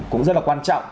cũng rất là quan trọng